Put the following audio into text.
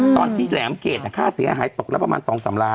ตอนที่แหลมเกจค่าเสียหายตกละประมาณ๒๓นาที